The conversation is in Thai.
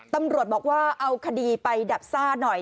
ตำรวจบอกว่าเอาคดีไปดับซ่าหน่อย